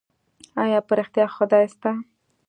ايا په رښتيا خدای سته؟